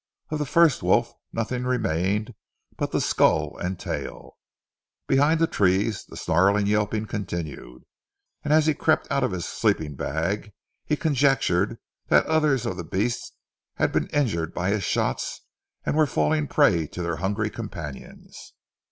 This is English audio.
Of the first wolf nothing remained but the skull and tail. Behind the trees the snarling and yelping continued, and as he crept out of his sleeping bag, he conjectured that others of the beasts had been injured by his shots, and were falling a prey to their hungry companions.